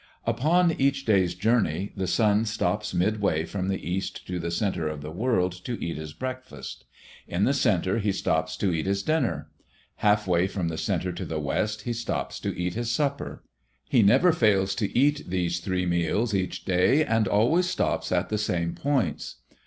Upon each day's journey the sun stops midway from the east to the centre of the world to eat his breakfast. In the centre he stops to eat his dinner. Halfway from the centre to the west he stops to eat his supper. He never fails to eat these three meals each day, and always stops at the same points.